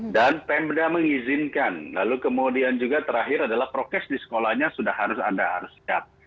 dan pemda mengizinkan lalu kemudian juga terakhir adalah prokes di sekolahnya sudah harus anda harus siap